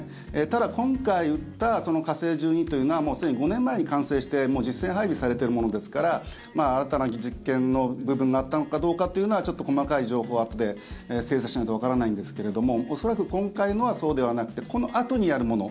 ただ、今回撃った火星１２というのはすでに５年前に完成して実戦配備されているものですから新たな実験の部分があったのかどうかというのは細かい情報はあとで精査しないとわからないんですけども恐らく今回のはそうではなくてこのあとにやるもの。